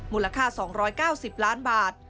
มูลค่า๒๙๐ล้านบาท